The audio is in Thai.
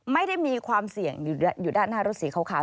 ไม่ได้มีความเสี่ยงอยู่ด้านหน้ารถสีขาว